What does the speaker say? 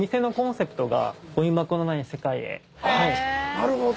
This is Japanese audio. なるほど！